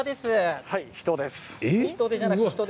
人です。